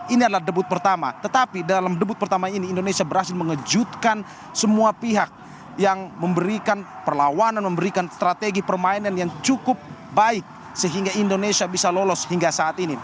ini adalah debut pertama tetapi dalam debut pertama ini indonesia berhasil mengejutkan semua pihak yang memberikan perlawanan memberikan strategi permainan yang cukup baik sehingga indonesia bisa lolos hingga saat ini